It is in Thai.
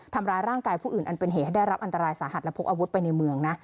ทำร้ายร่างกายผู้อื่นอันเป็นเหตุให้ได้รับอันตรายสาหัสและพกอาวุธไปในเมืองนะ